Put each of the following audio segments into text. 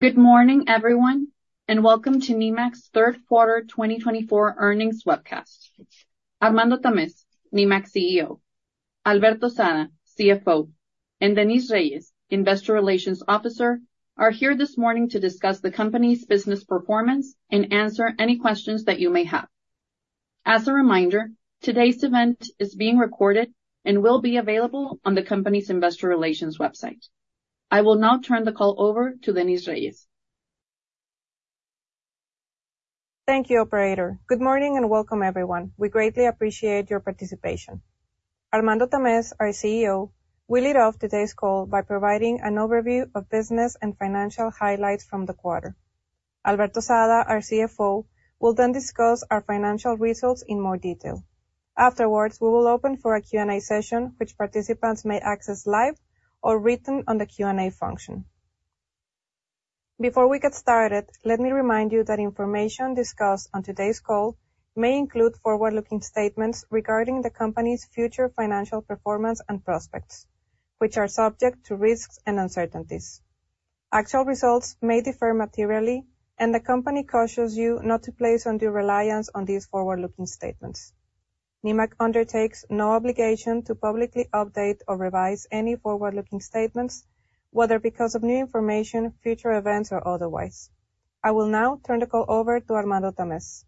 Good morning, everyone, and welcome to Nemak's Third Quarter 2024 Earnings Webcast. Armando Tamez, Nemak's CEO, Alberto Sada, CFO, and Denisse Reyes, Investor Relations Officer, are here this morning to discuss the company's business performance and answer any questions that you may have. As a reminder, today's event is being recorded and will be available on the company's investor relations website. I will now turn the call over to Denisse Reyes. Thank you, operator. Good morning, and welcome, everyone. We greatly appreciate your participation. Armando Tamez, our CEO, will lead off today's call by providing an overview of business and financial highlights from the quarter. Alberto Sada, our CFO, will then discuss our financial results in more detail. Afterwards, we will open for a Q&A session, which participants may access live or written on the Q&A function. Before we get started, let me remind you that information discussed on today's call may include forward-looking statements regarding the company's future financial performance and prospects, which are subject to risks and uncertainties. Actual results may differ materially, and the company cautions you not to place undue reliance on these forward-looking statements. Nemak undertakes no obligation to publicly update or revise any forward-looking statements, whether because of new information, future events, or otherwise. I will now turn the call over to Armando Tamez.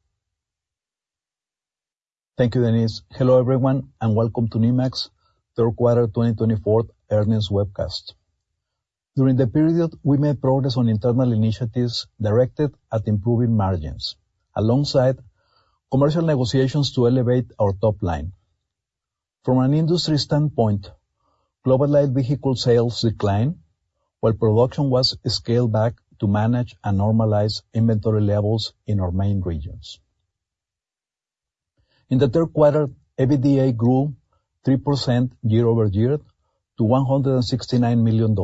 Thank you, Denise. Hello, everyone, and welcome to Nemak's Third Quarter 2024 Earnings Webcast. During the period, we made progress on internal initiatives directed at improving margins, alongside commercial negotiations to elevate our top line. From an industry standpoint, global light vehicle sales declined while production was scaled back to manage and normalize inventory levels in our main regions. In the third quarter, EBITDA grew 3% year-over-year to $169 million,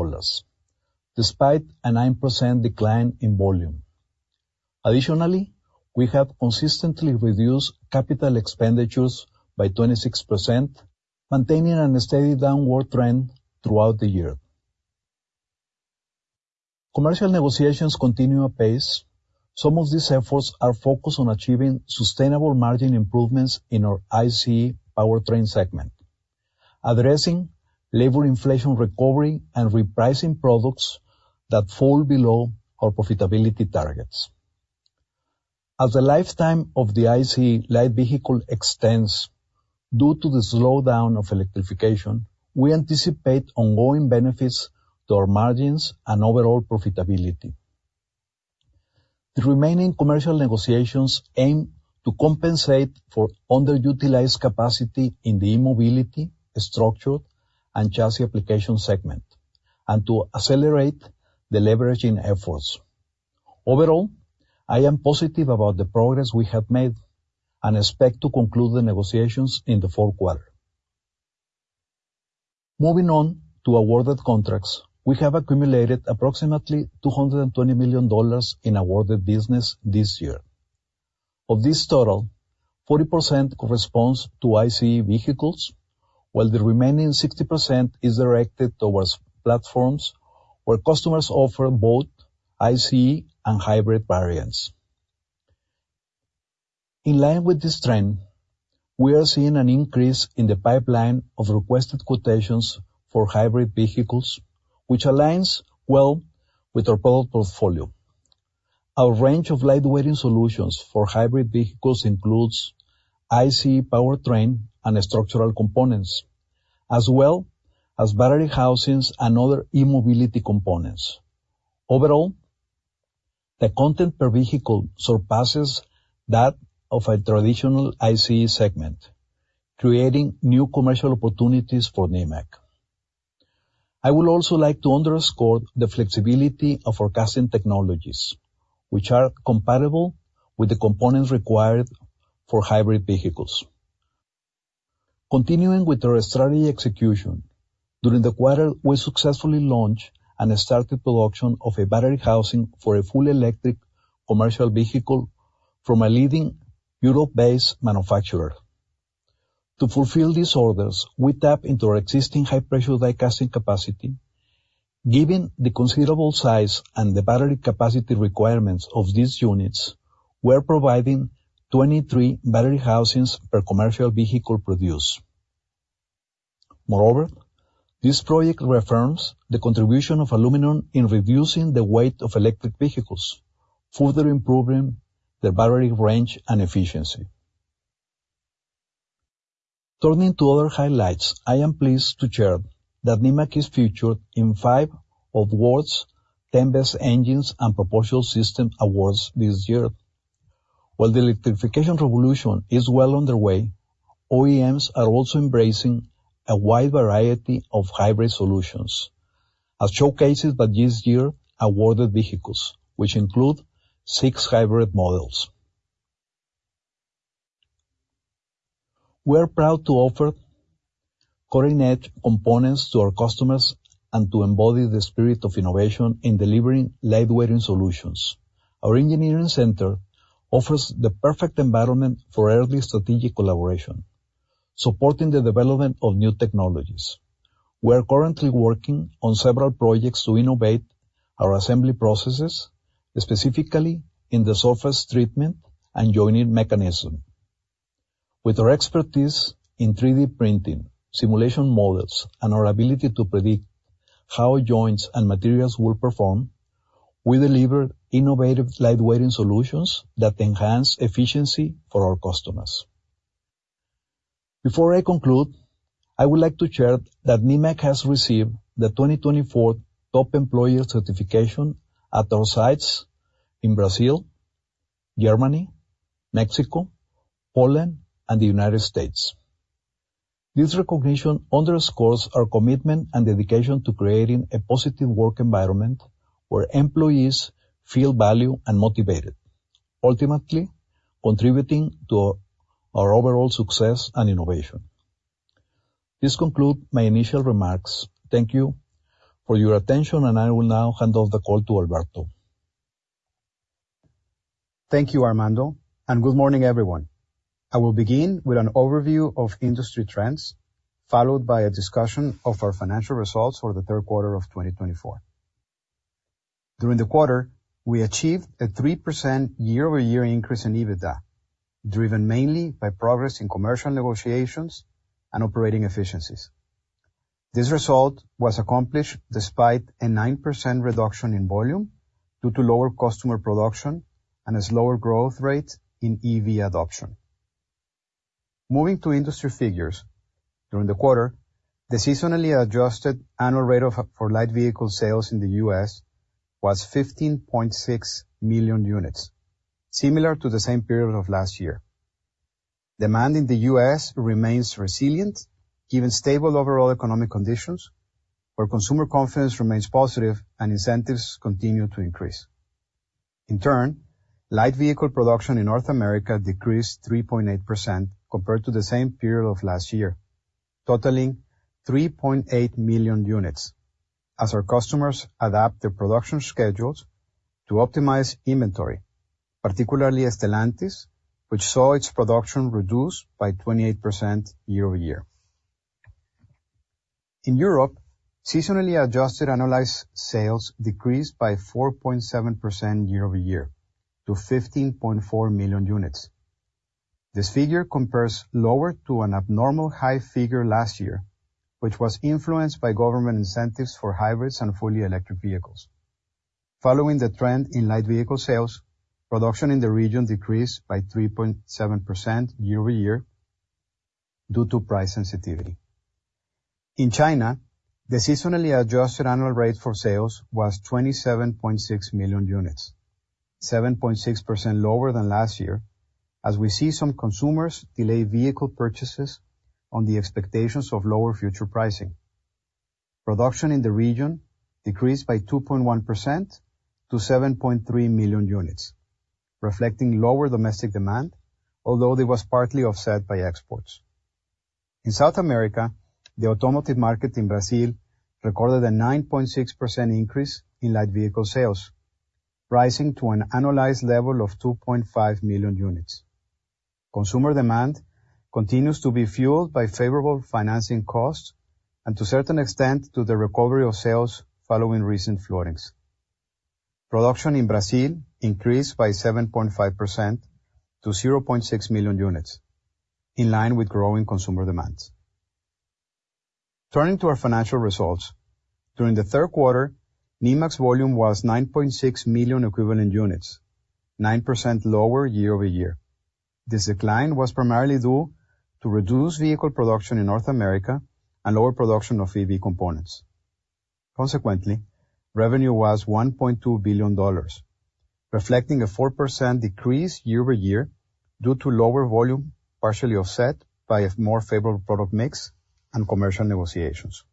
despite a 9% decline in volume. Additionally, we have consistently reduced capital expenditures by 26%, maintaining a steady downward trend throughout the year. Commercial negotiations continue apace. Some of these efforts are focused on achieving sustainable margin improvements in our ICE powertrain segment, addressing labor inflation recovery and repricing products that fall below our profitability targets. As the lifetime of the ICE light vehicle extends due to the slowdown of electrification, we anticipate ongoing benefits to our margins and overall profitability. The remaining commercial negotiations aim to compensate for underutilized capacity in the e-mobility, structural, and chassis application segment, and to accelerate the leveraging efforts. Overall, I am positive about the progress we have made and expect to conclude the negotiations in the fourth quarter. Moving on to awarded contracts, we have accumulated approximately $220 million in awarded business this year. Of this total, 40% corresponds to ICE vehicles, while the remaining 60% is directed towards platforms where customers offer both ICE and hybrid variants. In line with this trend, we are seeing an increase in the pipeline of requested quotations for hybrid vehicles, which aligns well with our product portfolio. Our range of lightweighting solutions for hybrid vehicles includes ICE powertrain and structural components, as well as battery housings and other e-mobility components. Overall, the content per vehicle surpasses that of a traditional ICE segment, creating new commercial opportunities for Nemak. I would also like to underscore the flexibility of our casting technologies, which are compatible with the components required for hybrid vehicles. Continuing with our strategy execution, during the quarter, we successfully launched and started production of a battery housing for a fully electric commercial vehicle from a leading Europe-based manufacturer. To fulfill these orders, we tap into our existing high-pressure die casting capacity. Given the considerable size and the battery capacity requirements of these units, we're providing 23 battery housings per commercial vehicle produced. Moreover, this project reaffirms the contribution of aluminum in reducing the weight of electric vehicles, further improving the battery range and efficiency. Turning to other highlights, I am pleased to share that Nemak is featured in five of Wards 10 Best Engines & Propulsion Systems awards this year. While the electrification revolution is well underway, OEMs are also embracing a wide variety of hybrid solutions, as showcased by this year-awarded vehicles, which include six hybrid models. We are proud to offer cutting-edge components to our customers and to embody the spirit of innovation in delivering lightweighting solutions. Our engineering center offers the perfect environment for early strategic collaboration supporting the development of new technologies. We are currently working on several projects to innovate our assembly processes, specifically in the surface treatment and joining mechanism. With our expertise in 3D printing, simulation models, and our ability to predict how joints and materials will perform, we deliver innovative, lightweighting solutions that enhance efficiency for our customers. Before I conclude, I would like to share that Nemak has received the 2024 Top Employer certification at our sites in Brazil, Germany, Mexico, Poland, and the United States. This recognition underscores our commitment and dedication to creating a positive work environment where employees feel valued and motivated, ultimately contributing to our overall success and innovation. This concludes my initial remarks. Thank you for your attention, and I will now hand off the call to Alberto. Thank you, Armando, and good morning, everyone. I will begin with an overview of industry trends, followed by a discussion of our financial results for the third quarter of 2024. During the quarter, we achieved a 3% year-over-year increase in EBITDA, driven mainly by progress in commercial negotiations and operating efficiencies. This result was accomplished despite a 9% reduction in volume due to lower customer production and a slower growth rate in EV adoption. Moving to industry figures, during the quarter, the seasonally adjusted annual rate for light vehicle sales in the U.S. was 15.6 million units, similar to the same period of last year. Demand in the U.S. remains resilient, given stable overall economic conditions, where consumer confidence remains positive and incentives continue to increase. In turn, light vehicle production in North America decreased 3.8% compared to the same period of last year, totaling 3.8 million units, as our customers adapt their production schedules to optimize inventory, particularly Stellantis, which saw its production reduced by 28% year-over-year. In Europe, seasonally adjusted annualized sales decreased by 4.7% year-over-year to 15.4 million units. This figure compares lower to an abnormal high figure last year, which was influenced by government incentives for hybrids and fully electric vehicles. Following the trend in light vehicle sales, production in the region decreased by 3.7% year-over-year due to price sensitivity. In China, the seasonally adjusted annual rate for sales was 27.6 million units, 7.6% lower than last year, as we see some consumers delay vehicle purchases on the expectations of lower future pricing. Production in the region decreased by 2.1% to 7.3 million units, reflecting lower domestic demand, although it was partly offset by exports. In South America, the automotive market in Brazil recorded a 9.6% increase in light vehicle sales, rising to an annualized level of 2.5 million units. Consumer demand continues to be fueled by favorable financing costs and, to a certain extent, to the recovery of sales following recent floodings. Production in Brazil increased by 7.5% to 0.6 million units, in line with growing consumer demands. Turning to our financial results, during the third quarter, Nemak's volume was 9.6 million equivalent units, 9% lower year-over-year. This decline was primarily due to reduced vehicle production in North America and lower production of EV components. Consequently, revenue was $1.2 billion, reflecting a 4% decrease year-over-year due to lower volume, partially offset by a more favorable product mix and commercial negotiations.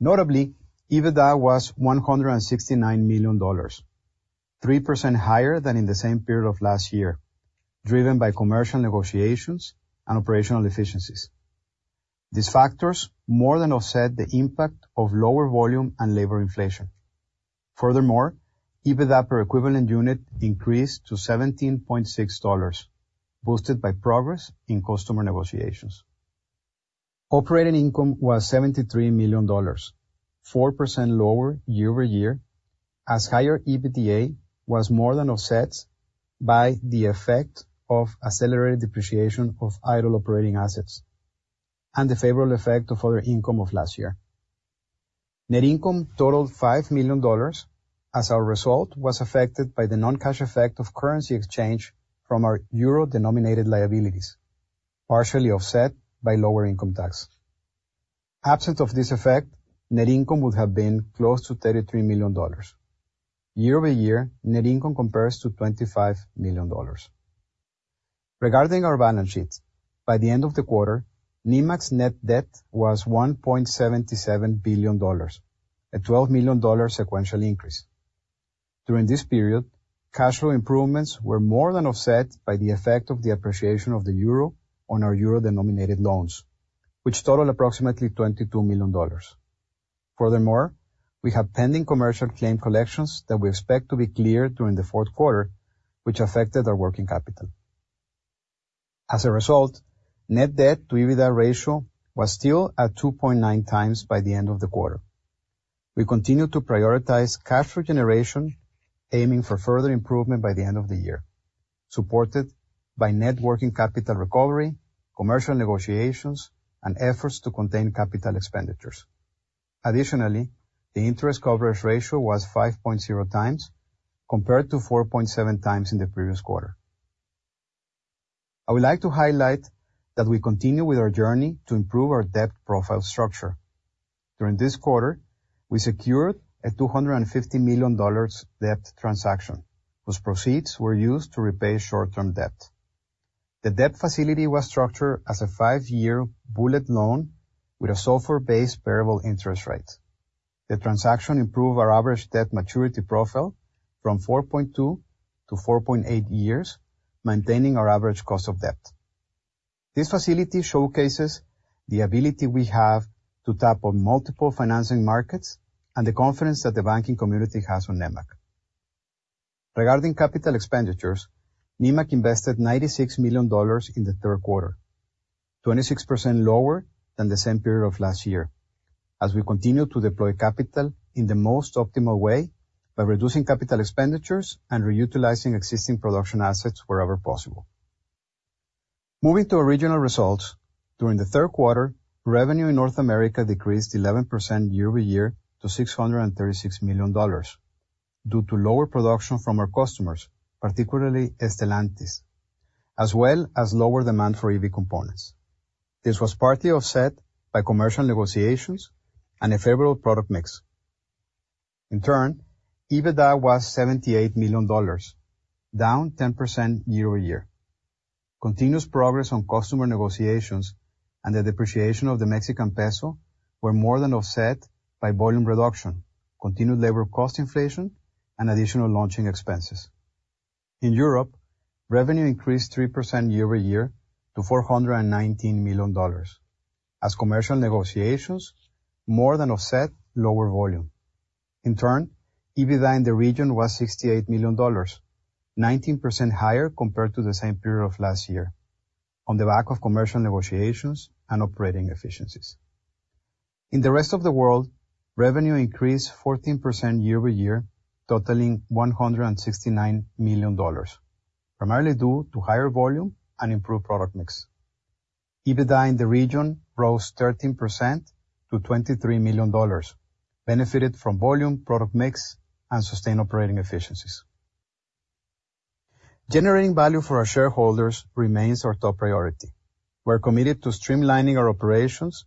Notably, EBITDA was $169 million, 3% higher than in the same period of last year, driven by commercial negotiations and operational efficiencies. These factors more than offset the impact of lower volume and labor inflation. Furthermore, EBITDA per equivalent unit increased to $17.6, boosted by progress in customer negotiations. Operating income was $73 million, 4% lower year-over-year, as higher EBITDA was more than offset by the effect of accelerated depreciation of idle operating assets and the favorable effect of other income of last year. Net income totaled $5 million, as our result was affected by the non-cash effect of currency exchange from our euro-denominated liabilities, partially offset by lower income tax. Absent of this effect, net income would have been close to $33 million. year-over-year, net income compares to $25 million. Regarding our balance sheets, by the end of the quarter, Nemak's net debt was $1.77 billion, a $12 million sequential increase. During this period, cash flow improvements were more than offset by the effect of the appreciation of the euro on our euro-denominated loans, which totaled approximately $22 million. Furthermore, we have pending commercial claim collections that we expect to be cleared during the fourth quarter, which affected our working capital. As a result, net debt to EBITDA ratio was still at 2.9 times by the end of the quarter. We continue to prioritize cash flow generation, aiming for further improvement by the end of the year, supported by net working capital recovery, commercial negotiations, and efforts to contain capital expenditures. Additionally, the interest coverage ratio was 5.0 times, compared to 4.7 times in the previous quarter. I would like to highlight that we continue with our journey to improve our debt profile structure. During this quarter, we secured a $250 million debt transaction, whose proceeds were used to repay short-term debt. The debt facility was structured as a five-year bullet loan with a SOFR-based variable interest rate. The transaction improved our average debt maturity profile from 4.2 years to 4.8 years, maintaining our average cost of debt. This facility showcases the ability we have to tap on multiple financing markets and the confidence that the banking community has on Nemak. Regarding capital expenditures, Nemak invested $96 million in the third quarter, 26% lower than the same period of last year, as we continue to deploy capital in the most optimal way by reducing capital expenditures and reutilizing existing production assets wherever possible. Moving to operating results, during the third quarter, revenue in North America decreased 11% year-over-year to $636 million, due to lower production from our customers, particularly Stellantis, as well as lower demand for EV components. This was partly offset by commercial negotiations and a favorable product mix. In turn, EBITDA was $78 million, down 10% year-over-year. Continuous progress on customer negotiations and the depreciation of the Mexican peso were more than offset by volume reduction, continued labor cost inflation, and additional launching expenses. In Europe, revenue increased 3% year-over-year to $419 million, as commercial negotiations more than offset lower volume. In turn, EBITDA in the region was $68 million, 19% higher compared to the same period of last year, on the back of commercial negotiations and operating efficiencies. In the rest of the world, revenue increased 14% year-over-year, totaling $169 million, primarily due to higher volume and improved product mix. EBITDA in the region rose 13% to $23 million, benefited from volume, product mix, and sustained operating efficiencies. Generating value for our shareholders remains our top priority. We're committed to streamlining our operations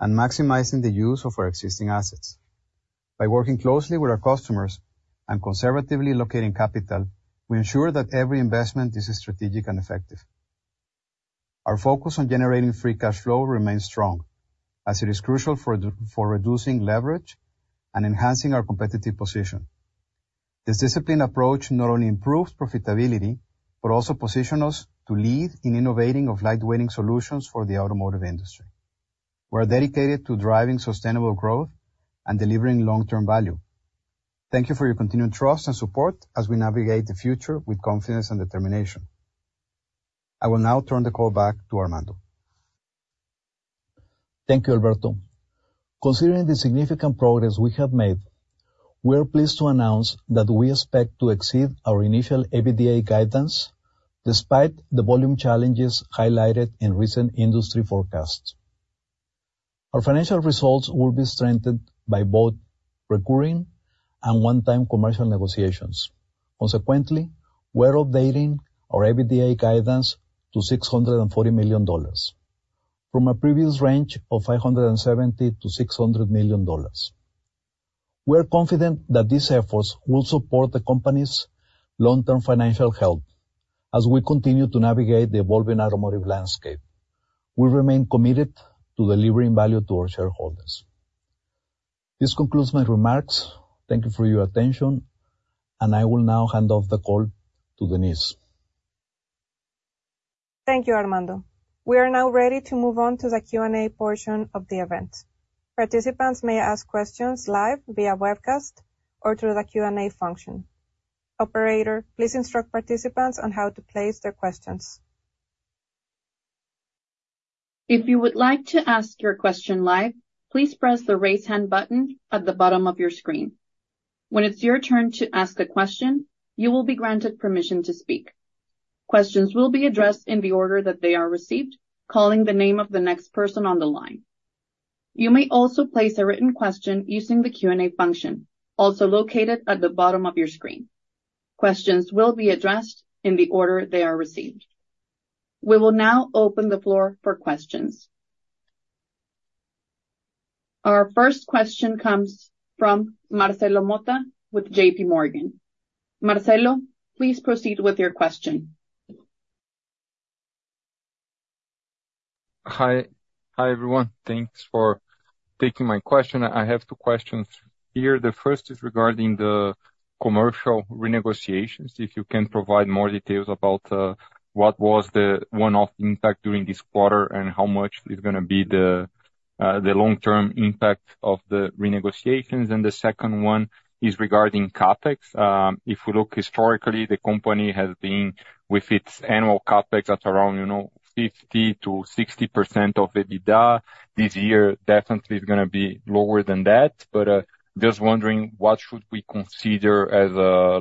and maximizing the use of our existing assets. By working closely with our customers and conservatively allocating capital, we ensure that every investment is strategic and effective. Our focus on generating free cash flow remains strong, as it is crucial for reducing leverage and enhancing our competitive position. This disciplined approach not only improves profitability, but also position us to lead in innovating of lightweighting solutions for the automotive industry. We are dedicated to driving sustainable growth and delivering long-term value. Thank you for your continued trust and support as we navigate the future with confidence and determination. I will now turn the call back to Armando. Thank you, Alberto. Considering the significant progress we have made, we are pleased to announce that we expect to exceed our initial EBITDA guidance, despite the volume challenges highlighted in recent industry forecasts. Our financial results will be strengthened by both recurring and one-time commercial negotiations. Consequently, we're updating our EBITDA guidance to $640 million, from a previous range of $570 million-$600 million. We are confident that these efforts will support the company's long-term financial health as we continue to navigate the evolving automotive landscape. We remain committed to delivering value to our shareholders. This concludes my remarks. Thank you for your attention, and I will now hand off the call to Denise. Thank you, Armando. We are now ready to move on to the Q&A portion of the event. Participants may ask questions live via webcast or through the Q&A function. Operator, please instruct participants on how to place their questions. If you would like to ask your question live, please press the Raise Hand button at the bottom of your screen. When it's your turn to ask a question, you will be granted permission to speak. Questions will be addressed in the order that they are received, calling the name of the next person on the line. You may also place a written question using the Q&A function, also located at the bottom of your screen. Questions will be addressed in the order they are received. We will now open the floor for questions. Our first question comes from Marcelo Motta with JPMorgan. Marcelo, please proceed with your question. Hi. Hi, everyone. Thanks for taking my question. I have two questions here. The first is regarding the commercial renegotiations, if you can provide more details about what was the one-off impact during this quarter and how much is gonna be the, the long-term impact of the renegotiations? And the second one is regarding CapEx. If we look historically, the company has been with its annual CapEx at around, you know, 50%-60% of EBITDA. This year definitely is gonna be lower than that, but just wondering, what should we consider as,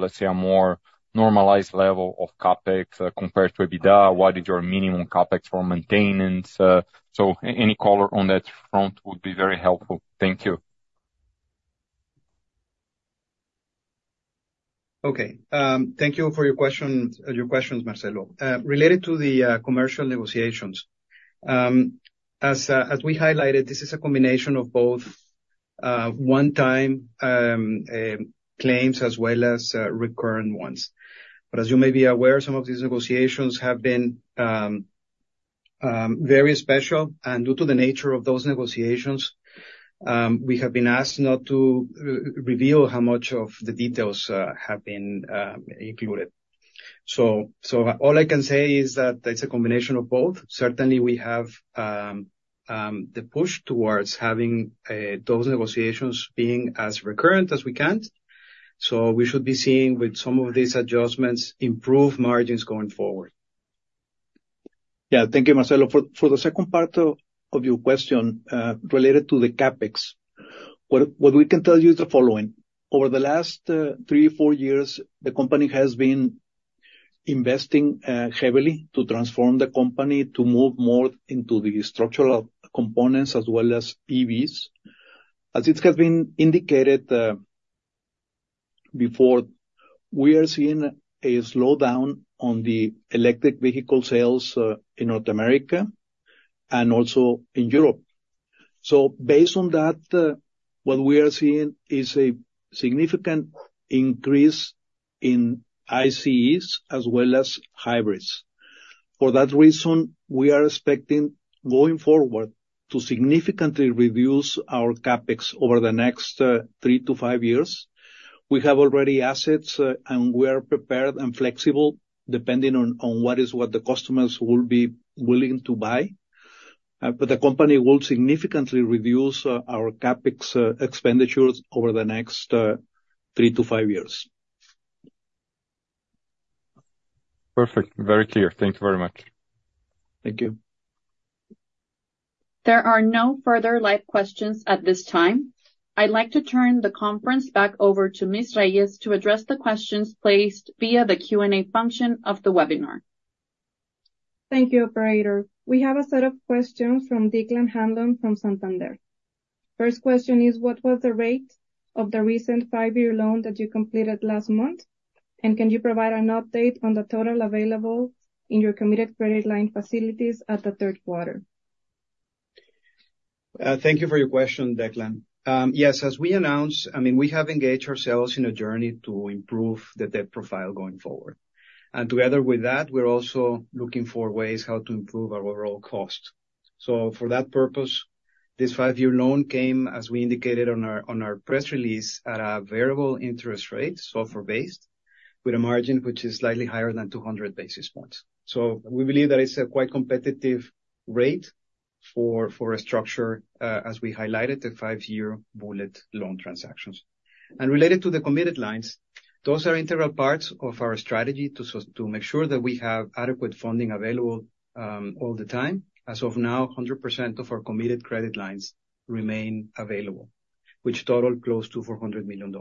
let's say, a more normalized level of CapEx, compared to EBITDA? What is your minimum CapEx for maintenance? So any color on that front would be very helpful. Thank you. Okay. Thank you for your question, your questions, Marcelo. Related to the commercial negotiations, as we highlighted, this is a combination of both, one-time claims as well as recurring ones. But as you may be aware, some of these negotiations have been very special. And due to the nature of those negotiations, we have been asked not to reveal how much of the details have been included. So all I can say is that it's a combination of both. Certainly, we have the push towards having those negotiations being as recurrent as we can. So we should be seeing, with some of these adjustments, improved margins going forward. Yeah, thank you, Marcelo. For the second part of your question related to the CapEx, what we can tell you is the following: Over the last three, four years, the company has been investing heavily to transform the company to move more into the structural components as well as EVs. As it has been indicated before, we are seeing a slowdown on the electric vehicle sales in North America and also in Europe. So based on that, what we are seeing is a significant increase in ICEs as well as hybrids. For that reason, we are expecting, going forward, to significantly reduce our CapEx over the next three to five years. We have already assets and we are prepared and flexible, depending on what the customers will be willing to buy. But the company will significantly reduce our CapEx expenditures over the next three to five years. Perfect. Very clear. Thank you very much. Thank you. There are no further live questions at this time. I'd like to turn the conference back over to Ms. Reyes to address the questions placed via the Q&A function of the webinar. Thank you, operator. We have a set of questions from Declan Hanlon from Santander. First question is: What was the rate of the recent five-year loan that you completed last month? And can you provide an update on the total available in your committed credit line facilities at the third quarter? Thank you for your question, Declan. Yes, as we announced, I mean, we have engaged ourselves in a journey to improve the debt profile going forward. Together with that, we're also looking for ways how to improve our overall cost. For that purpose, this five-year loan came, as we indicated on our press release, at a variable interest rate, SOFR-based, with a margin which is slightly higher than two hundred basis points. We believe that it's a quite competitive rate for a structure, as we highlighted, the five-year bullet loan transactions. Related to the committed lines, those are integral parts of our strategy to make sure that we have adequate funding available all the time. As of now, 100% of our committed credit lines remain available, which total close to $400 million.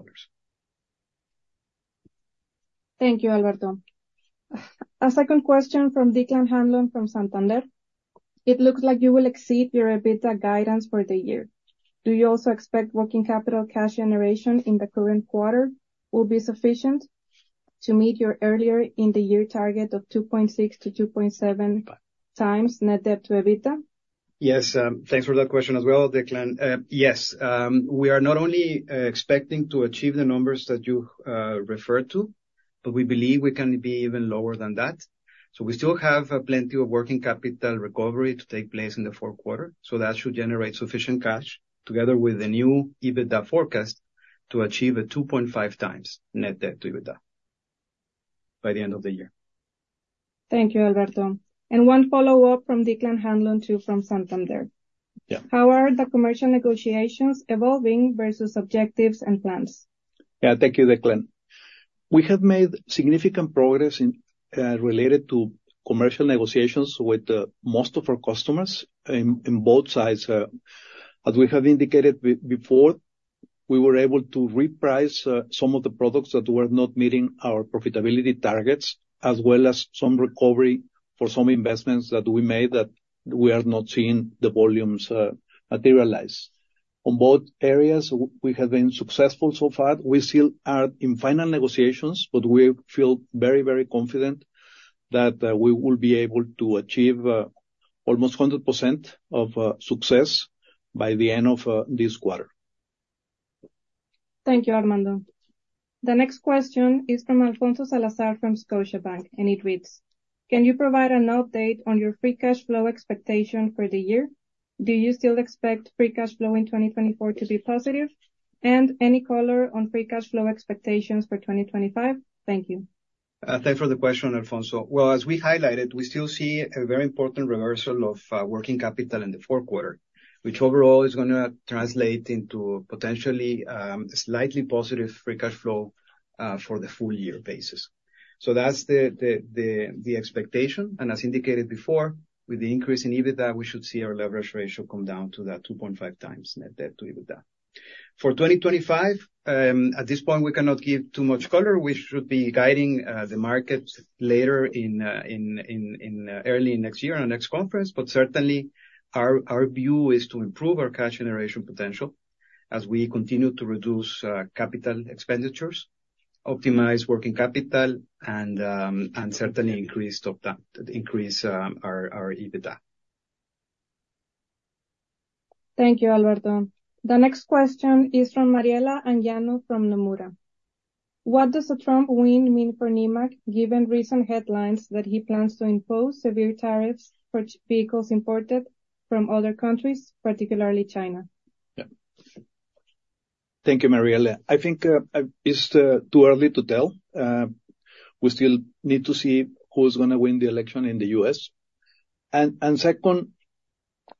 Thank you, Alberto. A second question from Declan Hanlon from Santander. It looks like you will exceed your EBITDA guidance for the year. Do you also expect working capital cash generation in the current quarter will be sufficient to meet your earlier-in-the-year target of 2.6x-2.7x net debt to EBITDA? Yes, thanks for that question as well, Declan. Yes, we are not only expecting to achieve the numbers that you referred to, but we believe we can be even lower than that. So we still have plenty of working capital recovery to take place in the fourth quarter, so that should generate sufficient cash, together with the new EBITDA forecast, to achieve a 2.5x net debt to EBITDA by the end of the year. Thank you, Alberto. And one follow-up from Declan Hanlon, too, from Santander. Yeah. How are the commercial negotiations evolving versus objectives and plans? Yeah. Thank you, Declan. We have made significant progress in related to commercial negotiations with most of our customers in both sides. As we have indicated before, we were able to reprice some of the products that were not meeting our profitability targets, as well as some recovery for some investments that we made that we are not seeing the volumes materialize. On both areas, we have been successful so far. We still are in final negotiations, but we feel very, very confident that we will be able to achieve almost 100% of success by the end of this quarter. Thank you, Armando. The next question is from Alfonso Salazar, from Scotiabank, and it reads: Can you provide an update on your free cash flow expectation for the year? Do you still expect free cash flow in 2024 to be positive? And any color on free cash flow expectations for 2025? Thank you. Thanks for the question, Alfonso. Well, as we highlighted, we still see a very important reversal of working capital in the fourth quarter, which overall is gonna translate into potentially slightly positive free cash flow for the full year basis, so that's the expectation, and as indicated before, with the increase in EBITDA, we should see our leverage ratio come down to that 2.5x net debt to EBITDA. For 2025, at this point, we cannot give too much color. We should be guiding the market later in early next year, on our next conference, but certainly our view is to improve our cash generation potential as we continue to reduce capital expenditures, optimize working capital, and certainly increase top line, increase our EBITDA. Thank you, Alberto. The next question is from Mariela Anguiano from Nomura. What does a Trump win mean for Nemak, given recent headlines that he plans to impose severe tariffs for vehicles imported from other countries, particularly China? Yeah. Thank you, Mariela. I think it's too early to tell. We still need to see who's gonna win the election in the U.S. And second,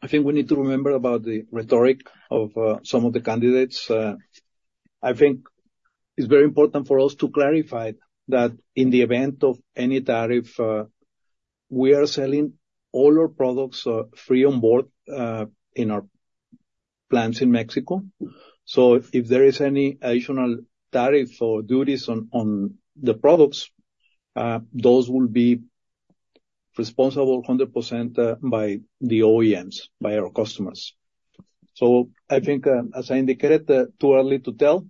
I think we need to remember about the rhetoric of some of the candidates. I think it's very important for us to clarify that in the event of any tariff, we are selling all our products free on board in our plants in Mexico. So if there is any additional tariff or duties on the products, those will be responsible 100% by the OEMs, by our customers. So I think, as I indicated, too early to tell.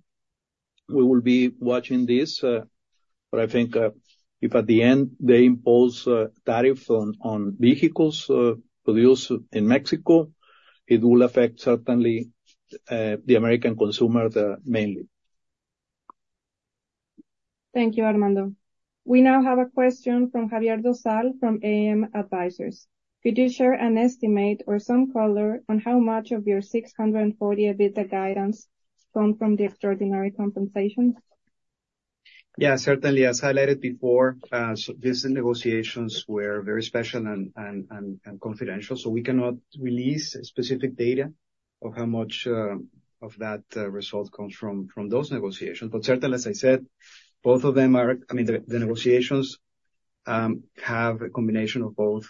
We will be watching this, but I think, if at the end they impose a tariff on vehicles produced in Mexico, it will affect, certainly, the American consumer, mainly. Thank you, Armando. We now have a question from Javier Dosal from AM Advisors. Could you share an estimate or some color on how much of your 640 EBITDA guidance come from the extraordinary compensations? Yeah, certainly. As highlighted before, so these negotiations were very special and confidential, so we cannot release specific data of how much of that result comes from those negotiations. But certainly, as I said, both of them are. I mean, the negotiations have a combination of both,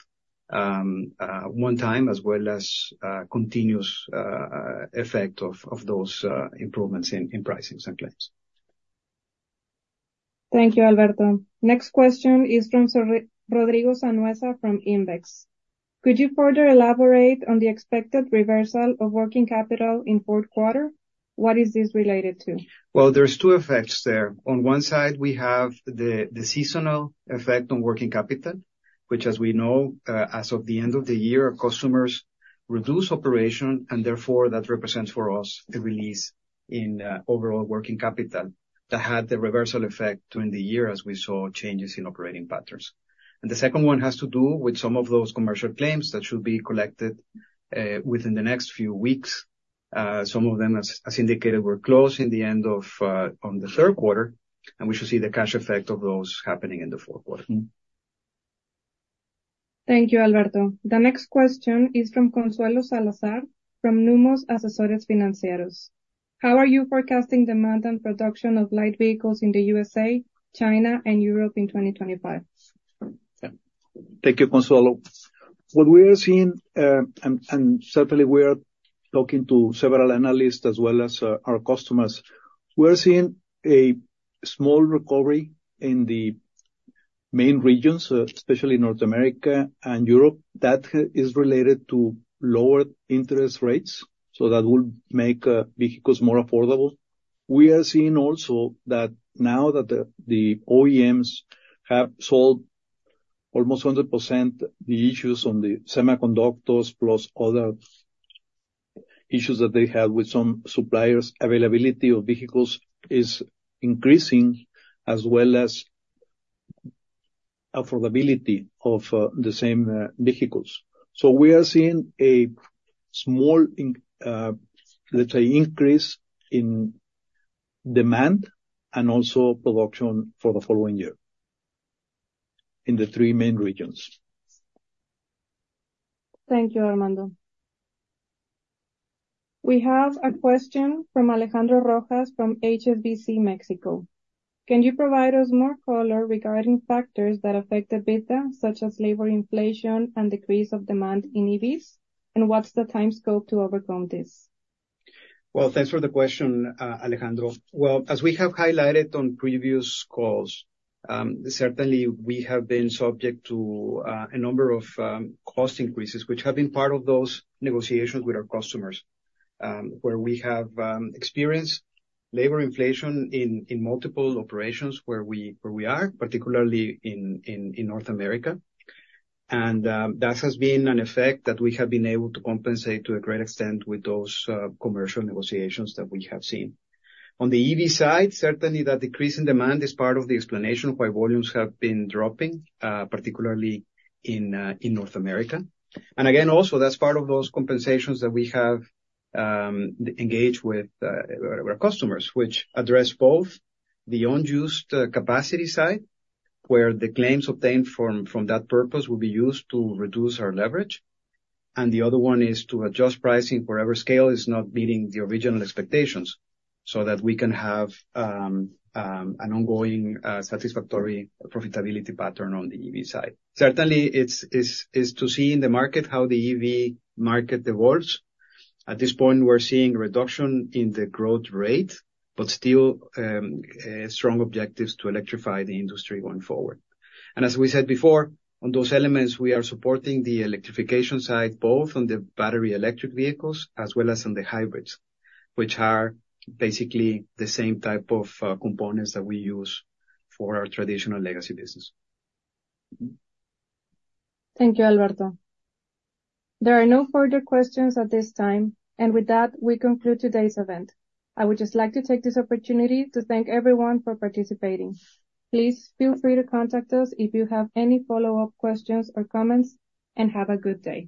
one-time, as well as continuous effect of those improvements in pricings and claims. Thank you, Alberto. Next question is from Rodrigo Sanhueza from Invex. Could you further elaborate on the expected reversal of working capital in fourth quarter? What is this related to? There's two effects there. On one side, we have the seasonal effect on working capital, which, as we know, as of the end of the year, our customers reduce operation, and therefore, that represents for us the release in overall working capital that had the reversal effect during the year, as we saw changes in operating patterns. The second one has to do with some of those commercial claims that should be collected within the next few weeks. Some of them, as indicated, were closed at the end of the third quarter, and we should see the cash effect of those happening in the fourth quarter. Thank you, Alberto. The next question is from Consuelo Salazar, from Nomura Asesores Financieros. How are you forecasting demand and production of light vehicles in the USA, China, and Europe in 2025? Yeah. Thank you, Consuelo. What we are seeing, and certainly we are talking to several analysts as well as our customers. We're seeing a small recovery in the main regions, especially North America and Europe. That is related to lower interest rates, so that will make vehicles more affordable. We are seeing also that now that the OEMs have solved almost 100% the issues on the semiconductors, plus other issues that they had with some suppliers, availability of vehicles is increasing, as well as affordability of the same vehicles. So we are seeing a small, let's say, increase in demand and also production for the following year in the three main regions. Thank you, Armando. We have a question from Alejandro Rojas from HSBC Mexico. Can you provide us more color regarding factors that affect EBITDA, such as labor inflation and decrease of demand in EVs? And what's the time scope to overcome this? Thanks for the question, Alejandro. As we have highlighted on previous calls, certainly we have been subject to a number of cost increases, which have been part of those negotiations with our customers, where we have experienced labor inflation in multiple operations where we are, particularly in North America. That has been an effect that we have been able to compensate to a great extent with those commercial negotiations that we have seen. On the EV side, certainly that decrease in demand is part of the explanation why volumes have been dropping, particularly in North America. Again, also, that's part of those compensations that we have engaged with our customers, which address both the unused capacity side, where the claims obtained from that purpose will be used to reduce our leverage. The other one is to adjust pricing wherever scale is not meeting the original expectations, so that we can have an ongoing satisfactory profitability pattern on the EV side. Certainly, it's to see in the market how the EV market evolves. At this point, we're seeing a reduction in the growth rate, but still strong objectives to electrify the industry going forward. And as we said before, on those elements, we are supporting the electrification side, both on the battery electric vehicles as well as on the hybrids, which are basically the same type of components that we use for our traditional legacy business. Thank you, Alberto. There are no further questions at this time. And with that, we conclude today's event. I would just like to take this opportunity to thank everyone for participating. Please feel free to contact us if you have any follow-up questions or comments, and have a good day.